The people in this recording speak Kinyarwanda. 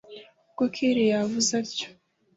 ubwo kellia yavuze atyo